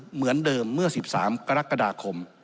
เหมือนเดิมเมื่อ๑๓กรกฎาคม